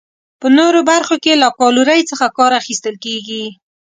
په نورو برخو کې له کالورۍ څخه کار اخیستل کیږي.